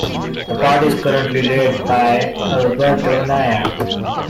The party is currently led by Alberto Anaya.